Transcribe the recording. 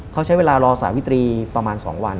เขาใช้เวลารอสหวิตรีประมาณ๒วัน